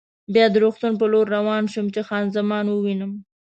بیا د روغتون په لور روان شوم چې خان زمان ووینم.